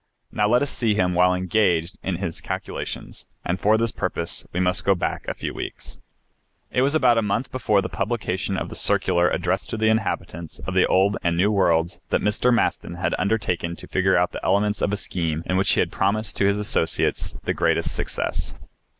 Now let us see him while engaged in his calculations, and for this purpose we must go back a few weeks. It was about a month before the publication of the circular addressed to the inhabitants of the Old and New Worlds that Mr. Maston had undertaken to figure out the elements of a scheme in which he had promised his associates the greatest success.